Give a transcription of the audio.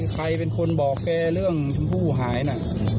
ใครเป็นคนบอกแกเรื่องชมพู่หายนะ